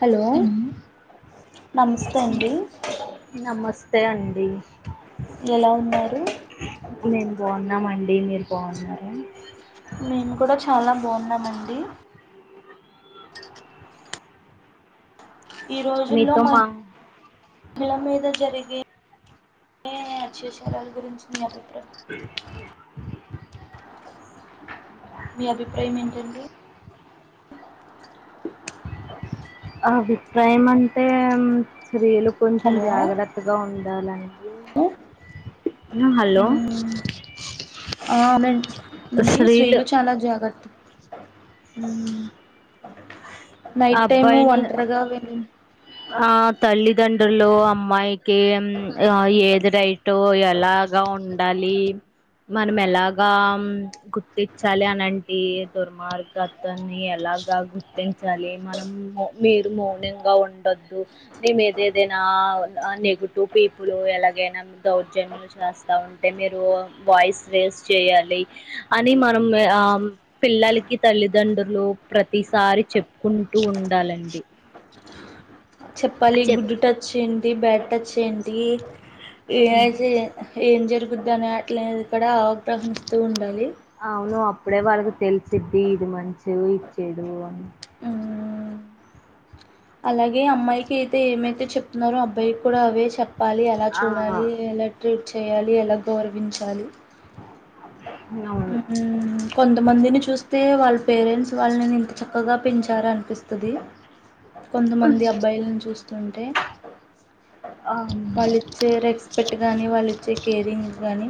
Hello నమస్తే అండి స్తే అండీ ఎలా ఉన్నారు మేం బావున్నామండి మీరు బావున్నారా నేన్ కూడా చాలా బావున్నానండీ ఈ రోజుల్లో మీతో మ మా హిళ మీద జరిగే గే హత్యాచారాల గురించి మీ అభిప్రాయం మీ అభిప్రాయం ఏంటండి ఆ భిప్రాయం అంటే ఉమ్ స్త్రీలు కొంచెం హలో జాగ్రత్తగా ఉండాలండీ హలో మ్మ్ ఆ వునండి స్త్రీలు చాలా జాగ్రత్త ఊ నైట్టైము అబ్బాయిని ఒంటరిగా వెళ్ళు ఆ తల్లిదండ్రులు అమ్మాయికి అన్ ఆ ఏది రైటో ఎలాగ ఉండాలీ మనం ఎలాగా గుర్తించాలి అని అంటే దుర్మార్గాలని ఎలా? ఆ జరుగుతే గుర్తించాలి మనం మీరు మౌనింగా ఉండోద్దు మీ మీదేదైనా ఆ టూ పీపుల్ ఎలాగైనా దౌర్జన్యం చేస్తా ఉంటే మీరు వాయిస్ రేస్ చేయా లి అని మనం ఎ ఆమ్ పిల్లలకి తల్లిదండ్రులు ప్రతీసారి చెప్ కుంటూ ఉండాలండి చెప్పాలి చెప్ గుడ్డు టచ్ ఏంటి బ్యాడ్ టచ్ ఏంటి ఏమైతేయే ఏం జరుగుద్ది అనే ఆట్లాడిది కుడా అవగ్రహిస్తూ ఉండాలి అవును అప్పుడే వాళ్ళకి తెలిసిద్ది ఇది మంచీ ఇది చెడూ అని మ్మ్ అలాగే అమ్మాయికి అయితే ఏమైతే చెప్తున్నారో అబ్బాయిక్కూడా అదే చెప్ చెప్పాలి ఎలా ఆ చూడాలి ఎలా ట్రీట్ చేయాలి ఎలా గౌరవించాలి [inaudible] ఊ కొంతమందిని చూస్తే వాళ్ పేరెంట్స్ వాళ్ళని ఇంత చక్కగా పెంచారా!? అనిపిస్తుంది. కొంతమంది అబ్బాయిలను చూస్తుంటే? వాళ్ళు ఇచ్చే రెస్పెక్ట్ కానీ, వాళ్ళిచ్చే కేరింగ్ కానీ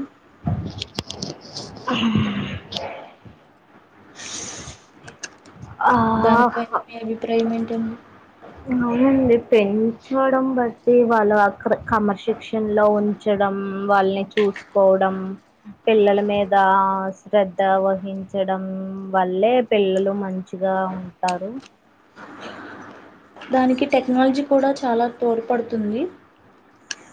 [inaudible] [unintelligible] [inaudible] దానిపైన మీ అభిప్రాయం ఏంటండి. అవునండి పెంచడం బట్టి వాళ్ళు ఆ అక్కడ క్రమశిక్షణ లో ఉంచడం వాళ్ళని చూ చూసుకోవడం పిల్లల మీద శ్రధ వహించడం వల్లే ఏ పిల్లలు మంచిగా ఉంటారు. దానికి టెక్నాలజీ కూడా చాలా తోడ్పడుతుంది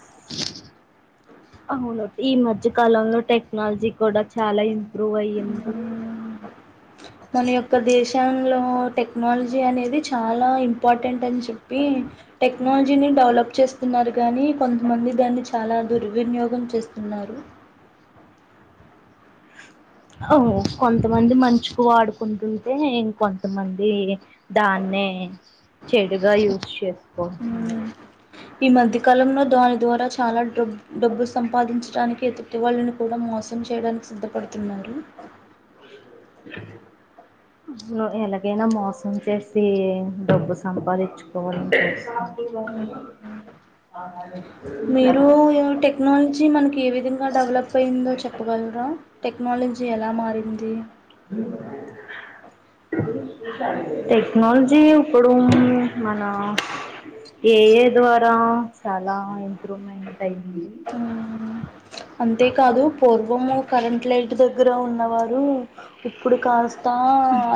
[unintelligible] అ అవున ఈ మధ్యకాలంలో టెక్నాలజీ కూడా చాలా ఇంప్రూవ్ అయింది. [inaudible] మలి యొక్క దేశంలో టెక్నాలజీ అనేది చాలా ఇంపార్టెంట్ అని చెప్పి. టెక్నాలజీని డెవలప్ చేస్త స్తున్నారు కాగానీ కొంతమంది దాన్ని చాలా దుర్వినియోగం చేస్తున్నారు. కొంతమంది మంచుకు వాడుకుంటుంటేం, కొంతమంది దాన్ని నే చెడుగా యూజ్ చేసుకుంటున్నారు. ఈ మధ్య కాలంలో దాని ద్వారా చాలా డబు డబ్బు సంపాదించడానికి ఎదుటి వాళ్ళని కూడా మో మసం చేయడానికి సిద్ధపడుతున్నారు. ను ఎలాగైనా మోసం చేసి డబ్బు సంపాదించుకోవాలని చూస్ [inaudible] జీ మనకి ఏ విధంగా డెవలప్ అయ్యిందో చెప్పగలరా టెక్నాలజీ ఎలా మారింది. అ టెక్నాలజీ ఇప్పుడు మన ఏఐ ద్వారా చాలా ఇంప్రూమెంట్ అంతేకాదు పూర్వము కరెంట్ లైట్ తో దగ్గర ఉన్నవారు ఉప్పుడు కాస్త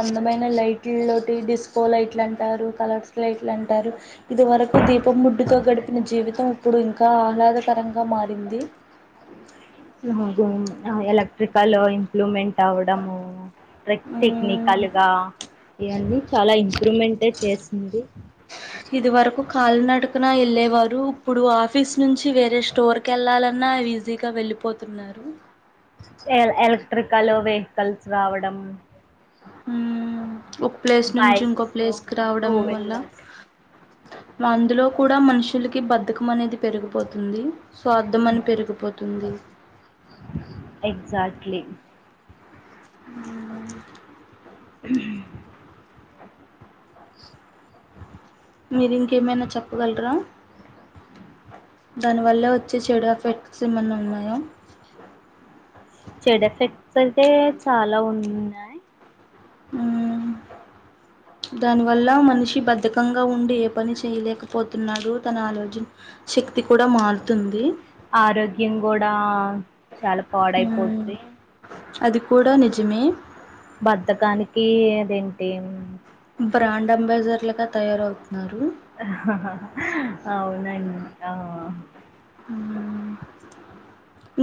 అందమైన లైట్ లో డిస్కో లైట్ల అంటారు కలర్స్ లైట్ల అంటారు. ఇది వరకు దీపం బుడ్డి తో గడిపిన జీవితం ఇప్పుడు ఇంకా ఆహ్లాద మారింది. ఎలక్ట్రికల్ ఇంప్రూవ్మెంట్ అవడము రిక్ టెక్నికల్గా ఇవన్నీ చాలా ఇంప్రూమెంట్ చేసింది. ఇది వరకు కాళ్ళు నడుకన వెళ్ళలేవారు ఇప్పుడు ఆఫీస్ నుంచి వేరే స్టోర్ కెళ్ళాలన్నా ఈజీగా వెళ్ళ వెళ్ళిపోతున్నారు. ఎల్ ఎలక్ట్రికల్ వెహికల్స్ రావడం ఒక ప్లేస్ నుంచి ఇంకోొ బైక్స్ ప్లేస్కి టూ రావడం వల్ల వీలర్స్ అందులో కూడా మనుషులకి బద్దకం అనేది పెరిగిపోతుంది. స్వార్థం అనేది పెరిగిపోతుంది ఎక్సట్లీ అ మీరు ఇంకేమైనా చెప్పగలరా? దాని వల్ల వచ్చే చెడు ఎఫెక్ట్స్ ఎమన్న ఉన్నాయా చెడ్ ఎఫెక్ట్స్ అయితే చాలా ఉన్నాయి ఆ దానివల్ల మనిషి బద్ధకంగా ఉండి ఏ పని చేయలేకపోతున్నాడు తన ఆలోచన శక్తి కూడా మారుతుంది ఆరోగ్యం కూడా చాలా మ్మ్ పాడైపోద్ది అది కూడా నిజమే బద్దకానికి అదేంటి బ్రాండ్ అంబాసిడర్ లాగా తయారవుతున్నారు హాహాహా అవునండి ఆ ఉమ్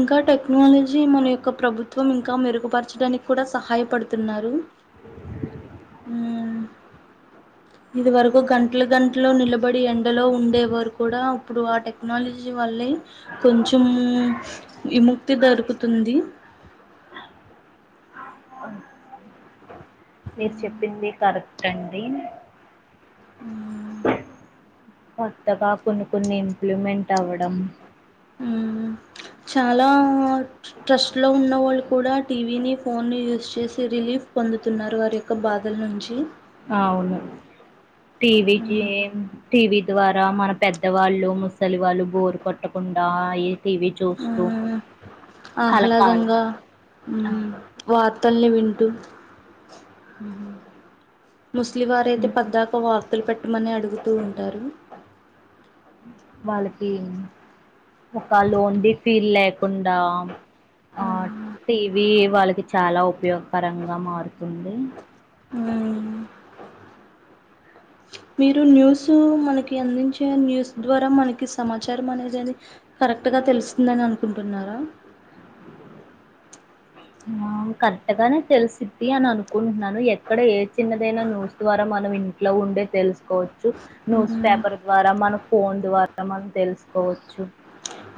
ఇంకా టెక్నాలజీ మన యొక్క ప్రభుత్వం ఇంకా మెరుగుపరచడానికి కూడా సహాయపడుతున్నారు ఉమ్ ఇది వరకు గంటల గంటలు నిలబడి ఎండలో ఉండేవారు కూడా ఇప్పుడు ఆ టెక్నాలజీ వల్లే కొంచెం విముక్తి దొరుకుతుంది మీరు చెప్పింది కరెక్ట్ అండి కొత్తగా కొన్ని కొన్ని ఇంప్లిమెంట్ అవ్వడం చాలా ట్రస్ట్ లో ఉన్న వాళ్ళు కూడా టీవీని ఫోన్ యూజ్ చేసి రిలీఫ్ పొందుతున్నారు వారి యొక్క బాధల నుంచి అవును టివికి మ్మ్. టీవీ ద్వారా మన పెద్దవాళ్ళు ముసలి వాళ్ళు బోరు కొట్టకుండా ఈ టీవీ చూస్తూ ఉమ్ అలా కాలం ఆహ్లాదంగా ఆ ఉమ్ వా ర్తల్ని వింటు ముసలి వారైతే పద్దాకా వార్తలు పెట్టమని అడుగుతూ ఉంటారు వాళ్ళకి ఒక లోన్డి ఫీల్ లేకుండా ఆ మ్మ్. టీవీ వాళ్ళకి చాలా ఉపయోగకరంగా మారుతుంది ఉమ్ మీరు న్యూస్ మనకి అందించే న్యూస్ ద్వారా మనకి సమాచారం అనేది అది కరెక్ట్గా తెలుస్తుందని అనుకుంటున్నారా ఆ కరెక్ట్ గానే తెలుసిద్ది అని అనుకుంటున్నాను ఎక్కడ ఏ చిన్నదైన న్యూస్ ద్వారా మనం ఇంట్లో ఉండే తెలుసు కోవచ్చు న్యూస్ హ్మ్. పేపర్ ద్వారా మన ఫోన్ ద్వారా మనం తెలుసుకోవచ్చు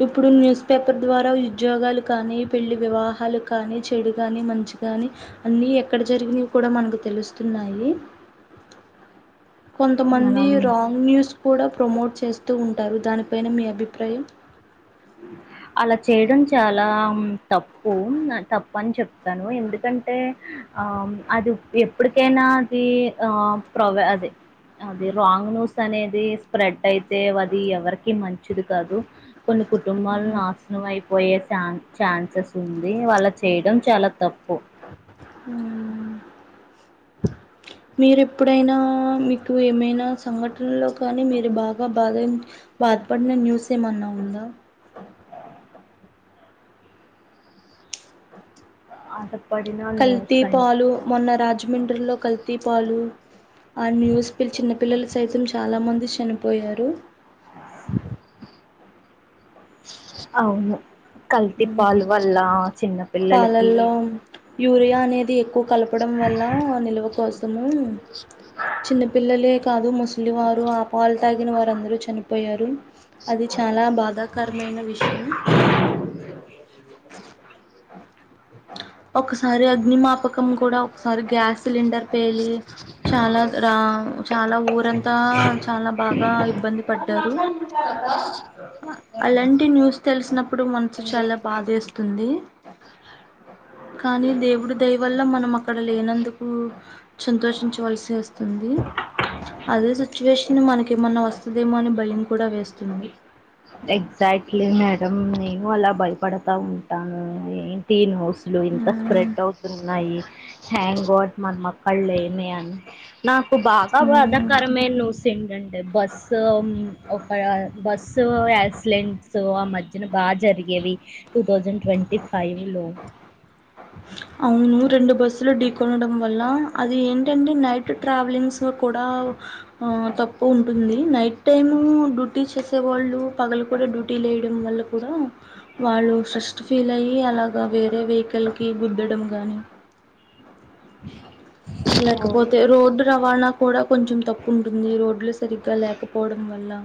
ఇప్పుడు న్యూస్ పేపర్ ద్వారా ఉద్యోగాలు కానీ పెళ్లి వివాహాలు కానీ చెడు కానీ మం చి కానీ అన్ని ఎక్కడ జరిగినవి కూడా మనకు తెలుస్తున్నాయి కొంతమంది మనం రాంగ్ న్యూస్ కూడా ప్రమోట్ చేస్తూ ఉంటారు దానిపైన మీ అభిప్రాయం అలా చేయడం చాలా తప్పు తప్పు వన్ అని చెప్తాను ఎందుకంటే ఆ అది ఎప్పటికైనా అది ఆ ప్రవ అదే అది రాంగ్ న్యూస్ అనేది స్ప్రెడ్ అయితే అది ఎవరికి మంచిది కాదు కొన్ని కుటుంబాలు నాశనం అయిపోయే శాంగ్ ఛాన్సెస్ ఉంది వాళ్ళ చేయడం చాలా తప్పు ఉమ్ మీరు ఎప్పుడైనా మీకు ఏమైనా సంఘటనలో కానీ మీరు బాగా బాధ బాధపడిన న్యూస్ ఏమన్నా ఉందా అంత కల్తీ పాలు మొన్న రాజమండ్రిలో కల్తీ పాలు ఆ న్యూస్ పిల్ చిన్న పిల్లలు సైతం చాలా మంది చనిపోయారు అవును కల్తీ పాల మ్ వల్ల చిన్నపిల్ల పాలల్లో యూరియా అనేది ఎక్కువ కలపడం వల్ల నిల్వ కోసము చిన్న పిల్లలే కాదు ముసలి వారు పాలు తాగిన వారందరూ చనిపోయారు అది చాలా బాధాకరమైన విషయం ఒక్కసారి అగ్ని మాప్ పకం కూడా ఒకసారి గ్యాస్ సిలిండర్ పేలి చాలా రా చాలా ఊరంతా ఆ చాలా బాగా ఇబ్బంది పడ్డారు అలాంటి న్యూస్ తెలిసినప్పుడు మనసు చాలా బాధేస్తుంది కానీ దేవుడు దయ వల్ల మనం అక్కడ లేనందుకు సంతోషించవలసి వస్తుంది అదే సిచ్యువేషన్ మనకి ఏమన్నా వస్తదేమో అని భయం కూడా వేస్తుంది ఎగ్జాక్ట్లీ మేడం నేను అలా భయపడతా ఉంటాను ఏంటి న్యూ స్లు ఇంత హ్మ్. స్ప్రెడ్ అవుతున్నాయి థ్యాంక్ గాడ్ మనం అక్కడ లేమే అని నాకు బాగా హ్మ్. బాధాకరమైన న్యూస్ ఏంటంటే బస్ ఒక బస్ సో యాక్సిడెంట్స్ ఆ మధ్యన బాగా జరిగేవి టూ థౌజండ్ ట్వంటీ ఫైవ్లో అవును రెండు బస్సులు ఢీకొనడం వల్ల అది ఏంటంటే నైట్ ట్రావెలింగ్స్ కూడా ఆ తప్పు ఉంటుంది నైట్ టైమ్ డ్యూటీ చేసే వాళ్ళు పగలు కూడా డ్యూటీ లేయడం వల్ల కూడా వాళ్ళు స్ట్రెస్ ఫీల్ అయి అలాగా వేరే వెహికల్ క గుద్దడం గానీ ఆ లేకపోతే రోడ్డు రవాణా కూడా కొంచెం తప్పు ఉంటుంది రోడ్లు సరిగ్గా లేకపోవడం వల్ల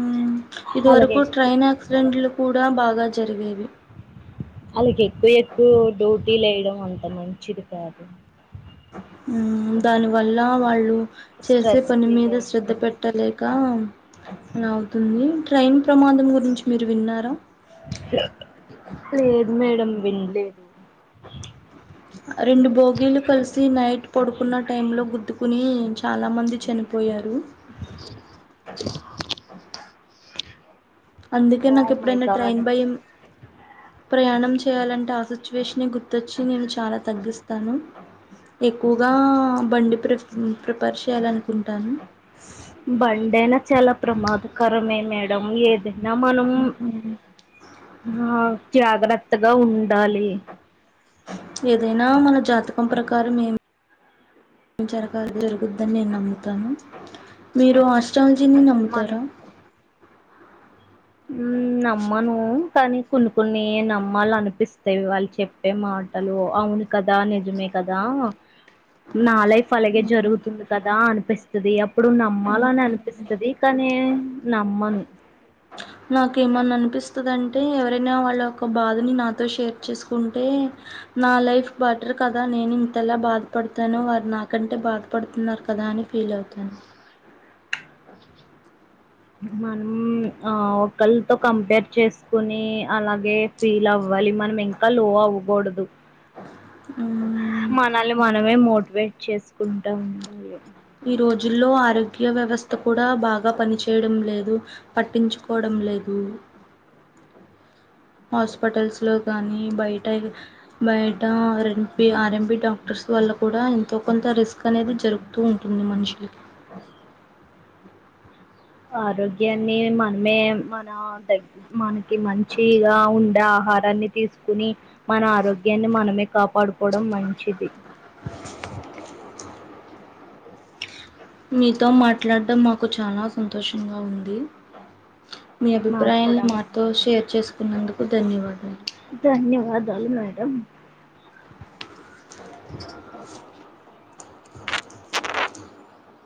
మ్ ఇదివరకు అలాగే ట్రైన్ యాక్సిడెంట్లు కూడా బాగా జరిగేవి వాళ్ళకి ఎక్కువ ఎక్కువ డ్యూటీలు వేయడం అంత మంచిది కాదు మ్ దాని వల్ల వాళ్ళు చేసే స్ట్రెస్ పని ఫీల్ మీద అవుతు శ్రద్ధ పెట్ పెట్టలేక అలా అవుతుంది ట్రైన్ ప్రమాదం గురించి మీరు విన్నారా [unintelligible] లేదు మేడం వినలేదు రెండు బోగిలు కలిసి నైట్ పడుకున్న టైం లో గుద్దుకుని చాలామంది చనిపోయారు అందుకే ఓ నాకు మై ఎప్పుడైనా ట్రైన్ గాడ్ భయం ప్రయాణం చేయాలంటే ఆ సిచ్యువేషనే గుర్తొచ్చి నేను చాలా తగ్గిస్తాను ఎక్కువగా బండి [unintelligible] చేయాలనుకుంటాను బండి అయినా చాలా ప్రమాదకరమే [unintelligible] ఏదైనా మనం ఆ జాగ్రత్త గత్తగా ఉండాలి ఏదైనా మన జాతకం ప్రకారమే జరగాలి జరుగుద్దని నేను నమ్ముతాను మీరు అష్ట దీన్ని నమ్ముతారా మ్ నమ్మను కానీ కొన్ని కొన్ని నమ్మాలనిపిస్తవి వాళ్ళు చెప్పే మాటలు అవును కదా నిజమే కదా నా లైఫ్ అలాగే జరుగుతుంది కదా అనిపిస్తది ఇప్పుడు నమ్మాలని అనిపిస్తది కానీ నమ్మను నాకేమన్నా అనిపిస్తదంటే ఎవరైనా వాళ్ళ యొక్క బాధని నాతో షేర్ చేసుకుంటే నా లైఫ్ బెటర్ కదా నేను ఇంతలా బాధపడతాను వారు నాకంటే బాధపడుతున్నారు కదా అని ఫీల్ అవుతాను మనం ఒకల్తో కంపేర్ చేసుకుని అలాగే ఫీల్ అవ్వ లి మనం ఇంకా లో అవ్వకూడదు మ్మ్. మనల్ని మనమే మో వెయిట్ చేసుకుంటా ఉండాలి ఈ రోజుల్లో ఆరోగ్య వ్యవస్థ కూడా బాగా పనిచేయడం లేదు పట్టించుకోవడం లేదు హాస్పిటల్స్ లో కానీ బయట బయట ఆర్ఎంపి డాక్టర్స్ వాళ్ళకు కూడా ఎంతో కొంత రిస్క్ అనేది జరుగుతూ ఉంటుంది మనుషులకి ఆరోగ్యాన్ని మనమే మన దగ్ మనకి మంచిగా ఉండా ఆహారాన్ని తీసుకుని మన ఆరోగ్యాన్ని మనమే కాపాడుకోవడం మంచిది మీతో మాట్లాడడం మాకు చాలా సంతోషంగా ఉంది మీ మాకు అభిప్రాయాలని కూడా మాతో షేర్ చేసుకున్నందుకు ధన్యవాదాలు ధన్యవాదాలు మేడం